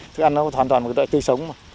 thức ăn nó hoàn toàn là loại tươi sống mà